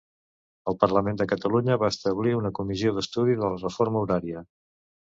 El Parlament de Catalunya va establir una comissió d'estudi de la reforma horària.